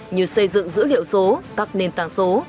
như xây dựng dữ liệu số các nền tảng số